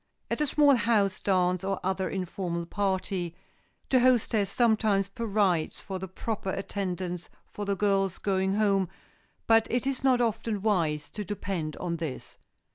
At a small house dance or other informal party the hostess sometimes provides for the proper attendance for the girls going home but it is not often wise to depend on this.